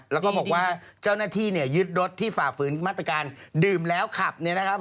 แล้วก็บอกว่าเจ้าหน้าที่ยึดรถที่ฝ่าฝืนมาตรการดื่มแล้วขับ